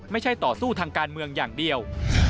ไม่ใช่ต่อสู้ทางการเมืองอย่างเดียว